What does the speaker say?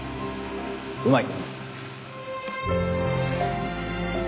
うまい。